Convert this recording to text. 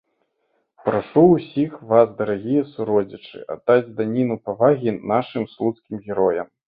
Прашу ўсіх вас, дарагія суродзічы, аддаць даніну павагі нашым слуцкім героям!